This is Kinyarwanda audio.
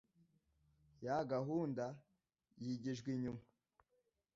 ya gahunda yigijwe inyuma